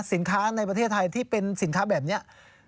สินค้าในประเทศไทยที่เป็นสินค้าแบบนี้